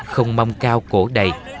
không mong cao cổ đầy